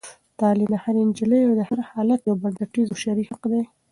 تعلیم د هرې نجلۍ او هر هلک یو بنسټیز او شرعي حق دی.